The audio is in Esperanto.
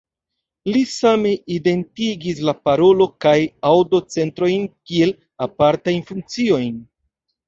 Li same identigis la parolo- kaj aŭdo-centrojn kiel apartajn funkciojn.